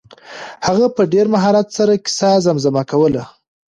هغه په ډېر مهارت سره کیسه زمزمه کوله.